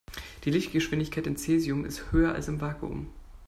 Die Lichtgeschwindigkeit in Cäsium ist höher als im Vakuum.